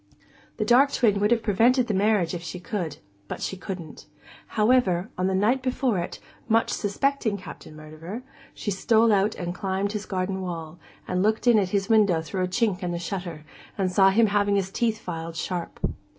The dark twin would have prevented the marriage if she could, but she couldn't; however, on the night before it, much suspecting Captain Murderer, she stole out and climbed his garden wall, and looked in at his window through a chink in the shutter, and saw him having his teeth filed sharp.